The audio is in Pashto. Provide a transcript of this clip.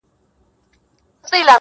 لونګ هېندارې ګډې په سېنه کې واچوه